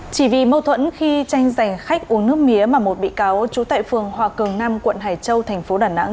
chỉ vì mâu thuẫn khi tranh giành khách uống nước mía mà một bị cáo trú tại phường hòa cường nam quận hải châu thành phố đà nẵng